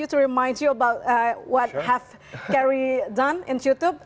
untuk mengingatkan kamu tentang apa yang kary telah lakukan di youtube